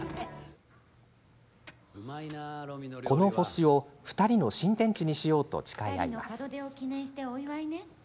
この星を２人の新天地にしようと誓い合います。